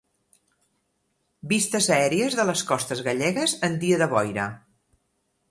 Vistes aèries de les costes gallegues en dia de boira.